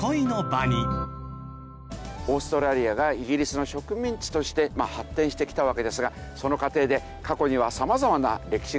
オーストラリアがイギリスの植民地として発展してきたわけですがその過程で過去には様々な歴史があったわけですね。